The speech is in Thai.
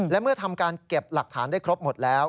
และเมื่อทำการเก็บหลักฐานได้ครบหมดแล้ว